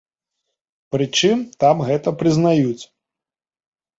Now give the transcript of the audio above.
Прычым там гэта прызнаюць.